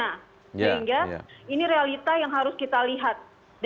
sehingga ini realita yang harus kita lihat